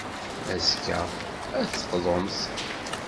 Azekka, ad d-teqḍumt.